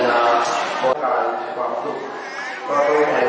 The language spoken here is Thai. การพุทธศักดาลัยเป็นภูมิหลายการพุทธศักดาลัยเป็นภูมิหลาย